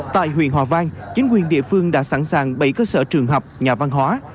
tại huyện hòa vang chính quyền địa phương đã sẵn sàng bảy cơ sở trường học nhà văn hóa